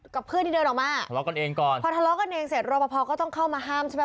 กับเพื่อนที่เดินออกมาทะเลาะกันเองก่อนพอทะเลาะกันเองเสร็จรอปภก็ต้องเข้ามาห้ามใช่ไหม